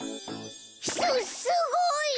すすごい！